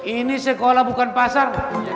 ini sekolah bukan pasar